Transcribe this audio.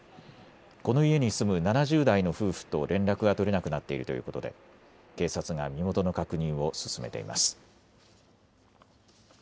この家に住む７０代の夫婦と連絡が取れなくなっているということで警察が身元の確認を進めています。